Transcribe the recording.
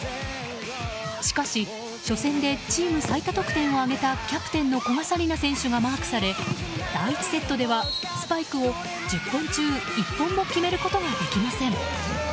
しかし、初戦でチーム最多得点を挙げたキャプテンの古賀紗理那選手がマークされ第１セットではスパイクを１０本中１本も決めることができません。